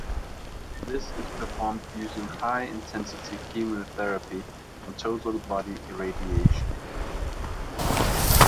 This is performed using high-intensity chemotherapy and total body irradiation.